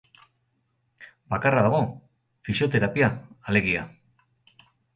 Bakarra dago, fisioterapia, alegia.